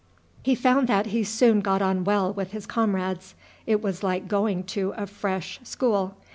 He found that he soon got on well with his comrades. It was like going to a fresh school.